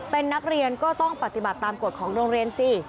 เป็นนักเรียนก็ต้องปฏิบัติตามกฎของโรงเรียนสิ